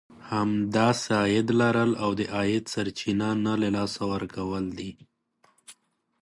همداسې عايد لرل او د عايد سرچينه نه له لاسه ورکول دي.